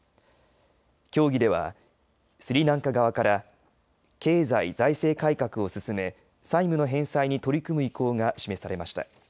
協議ではスリランカ側から経済財政改革を進め債務の返済に取り組む意向が示されました。